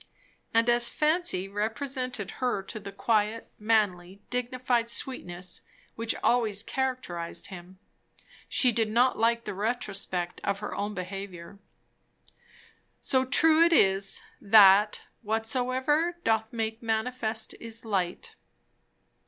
And as fancy represented to her the quiet, manly, dignified sweetness which always characterized him, she did not like the retrospect of her own behaviour. So true it is, that "whatsoever doth make manifest is light."